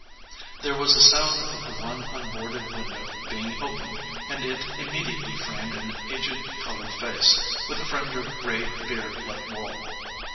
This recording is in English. There was a sound of the one unboarded window being opened, and it immediately framed an aged colored face, with a fringe of gray beard like wool.